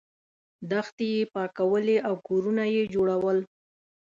دښتې یې پاکولې او کورونه یې جوړول.